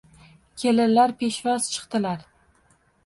Kelinlar peshvoz chiqdilar